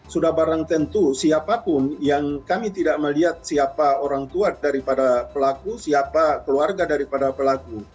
sudah barang tentu siapapun yang kami tidak melihat siapa orang tua daripada pelaku siapa keluarga daripada pelaku